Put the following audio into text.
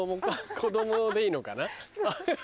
子供でいいのかな？